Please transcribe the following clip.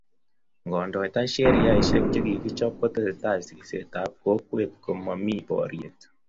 ngodoita sheriasheck che kikichob ko tesetai siset ab kokwet ko mo ni boryet